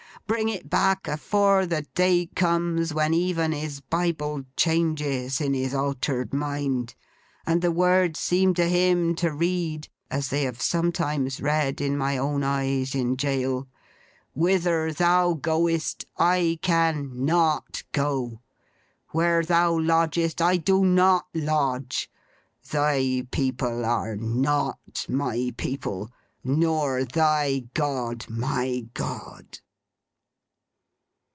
Bring it back, afore the day comes when even his Bible changes in his altered mind, and the words seem to him to read, as they have sometimes read in my own eyes—in jail: "Whither thou goest, I can Not go; where thou lodgest, I do Not lodge; thy people are Not my people; Nor thy God my God!"